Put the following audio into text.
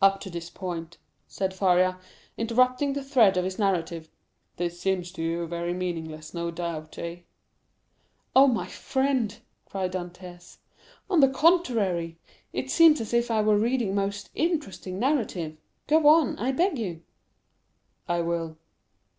"Up to this point," said Faria, interrupting the thread of his narrative, "this seems to you very meaningless, no doubt, eh?" "Oh, my friend," cried Dantès, "on the contrary, it seems as if I were reading a most interesting narrative; go on, I beg of you." "I will.